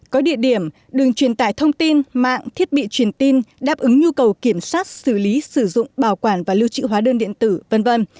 có địa điểm đường truyền tải thông tin mạng thiết bị truyền tin đáp ứng nhu cầu kiểm soát xử lý sử dụng bảo quản và lưu trị hóa đơn điện tử v v